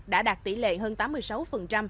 đã đạt tỷ lệ hơn tám mươi sáu